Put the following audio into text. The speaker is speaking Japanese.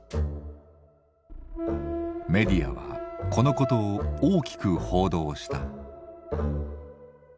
メディアはこのことを大きく報道した。